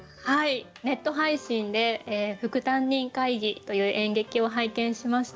ネット配信で「副担任会議」という演劇を拝見しました。